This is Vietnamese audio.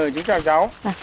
chú chào cháu